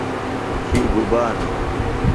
تھی گُبا نو؟